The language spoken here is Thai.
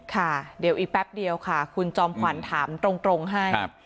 ค่ะเดี๋ยวอีกแป๊บเดียวค่ะคุณจอมขวัญถามตรงให้